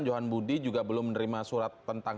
johan budi juga belum menerima surat tentang